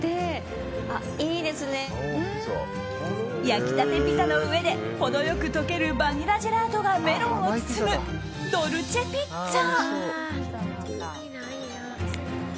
焼きたてピザの上で程良く溶けるバニラジェラートがメロンを包むドルチェピッツァ。